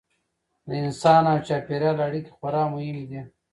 د انسان او چاپیریال اړیکې خورا مهمې دي.